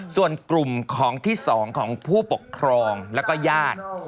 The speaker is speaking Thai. ส่วนกลุ่มของที่๒ของผู้ปกครองแล้วก็ญาติ